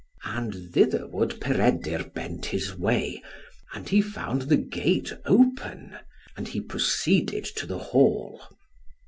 And thitherward Peredur bent his way, and he found the gate open, and he proceeded to the hall.